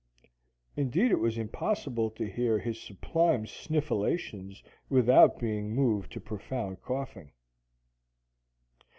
Indeed, it was impossible to hear his sublime sniffulations without being moved to profound coughing.